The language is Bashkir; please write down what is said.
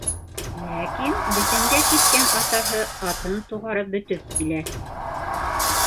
Ләкин бесәнгә киткән атаһы атын туғарып бөтөп килә.